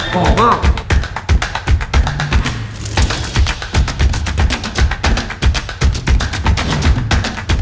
หอมมาก